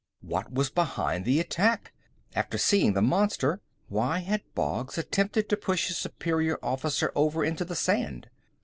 What was behind the attack? After seeing the monster, why had Boggs attempted to push his superior officer over into the sand?